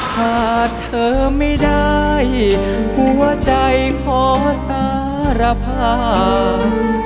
หากเธอไม่ได้หัวใจขอสารภาพ